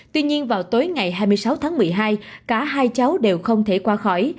tuy nhiên vào tối ngày hai mươi sáu tháng một mươi hai cả hai cháu đều không thể qua khỏi